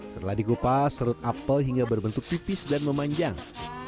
setelah dikupas serut apel hingga berbentuk tipis dan memanjang